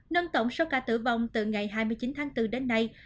nâng tổng số ca tử vong từ ngày hai mươi chín tháng bốn đến nay